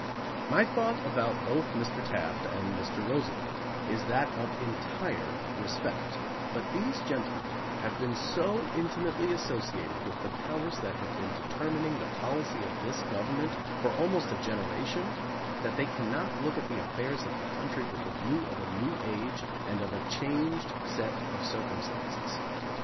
My thought about both Mr. Taft and Mr. Roosevelt is that of entire respect, but these gentlemen have been so intimately associated with the powers that have been determining the policy of this government for almost a generation, that they cannot look at the affairs of the country with the view of a new age and of a changed set of circumstances.